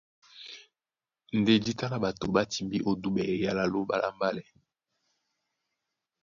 Ndé jǐta lá ɓato ɓá timbí dúɓɛ eyala a Lóɓa lá mbálɛ.